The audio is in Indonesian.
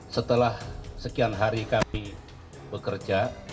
setelah sekian hari kami bekerja